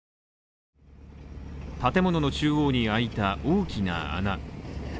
建物の中央に開いた大きな穴。